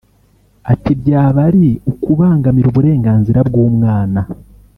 Ati “Byaba ari ukubangamira Uburenganzira bw’umwana